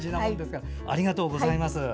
ありがとうございます。